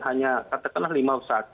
hanya katakanlah lima puluh satu